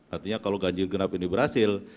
artinya kalau ganjil genap ini berhasil